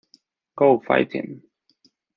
Go, Fighting!